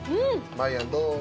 まいやんどう？